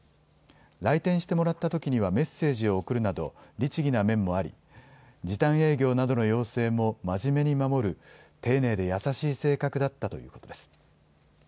来店してもらったときにはメッセージを送るなど、律儀な面もあり、時短営業などの要請も真面目に守る、丁寧で優しい性格だったということです。